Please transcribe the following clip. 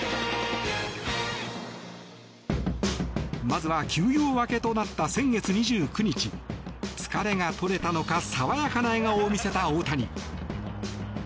まずは休養明けとなった先月２９日疲れが取れたのか爽やかな笑顔を見せた大谷。